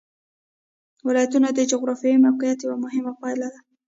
ولایتونه د جغرافیایي موقیعت یوه مهمه پایله ده.